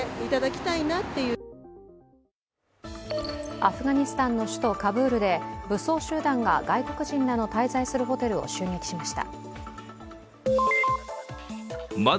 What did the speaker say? アフガニスタンの首都カブールで、武装集団が外国人らの滞在するホテルを襲撃しました。